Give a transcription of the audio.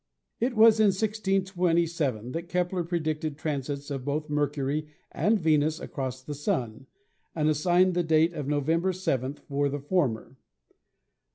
MERCURY 129 It was in 1627 that Kepler predicted transits of both Mercury and Venus across the Sun, and assigned the date of November 7th for the former.